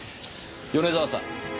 米沢さん。